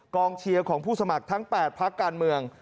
เชียร์ของผู้สมัครทั้ง๘พักการเมือง